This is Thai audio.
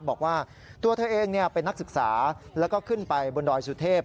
บอกว่าตัวเธอเองเป็นนักศึกษาแล้วก็ขึ้นไปบนดอยสุเทพ